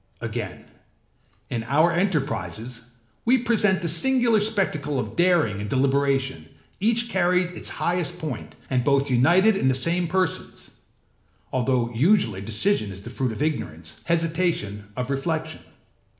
Again, in our enterprises we present the singular spectacle of daring and deliberation, each carried to its highest point, and both united in the same persons; although usually decision is the fruit of ignorance, hesitation of reflection.